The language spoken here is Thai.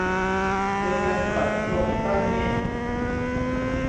โดยการปรับโครงสร้างหนี้